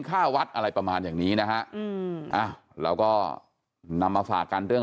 ค่าวัดอะไรประมาณอย่างนี้นะฮะอืมอ่าเราก็นำมาฝากกันเรื่อง